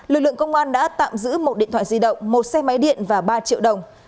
lực lượng công an đã tạm giữ một điện thoại di động một xe máy điện và ba triệu đồng